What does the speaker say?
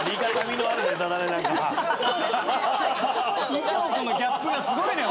衣装とのギャップがすごいね。